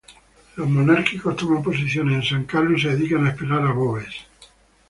Los monárquicos toman posiciones en San Carlos y se dedican a esperar a Boves.